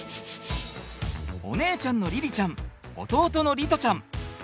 お姉ちゃんの凛々ちゃん弟の璃士ちゃん。